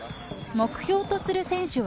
目標とする選手は？